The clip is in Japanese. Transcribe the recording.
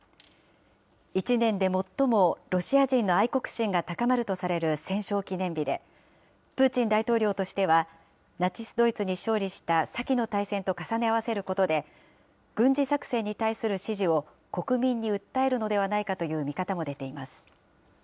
１年で最もロシア人の愛国心が高まるとされる戦勝記念日で、プーチン大統領としては、ナチス・ドイツに勝利した先の大戦と重ね合わせることで、軍事作戦に対する支持を国民に訴えるのではないかという見方も出ています。